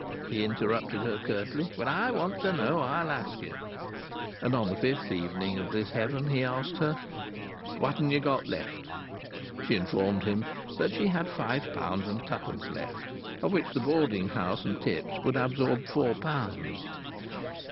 he interrupted her curtly. "When I want to know, I'll ask ye." And on the fifth evening of this heaven he asked her: "What'n ye got left?" She informed him that she had five pounds and twopence left, of which the boarding house and tips would absorb four pounds.